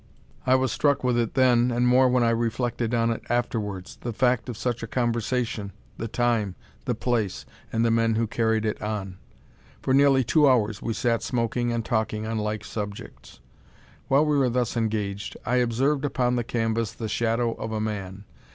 I was struck with it then, and more when I reflected on it afterwards; the fact of such a conversation, the time, the place, and the men who carried it on. For nearly two hours we sat smoking and talking on like subjects. While we were thus engaged I observed upon the canvas the shadow of a man.